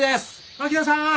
槙野さん